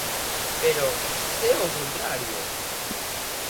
Pero ¡se é o contrario!